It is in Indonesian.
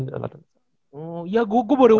ya gue baru ngerasain